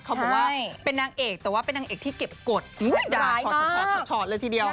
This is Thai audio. เขาบอกว่าเป็นนางเอกแต่ว่าเป็นนางเอกที่เก็บกฎด่าชอดเลยทีเดียว